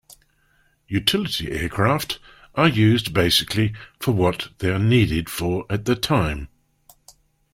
Utility aircraft are used basically for what they are needed for at the time.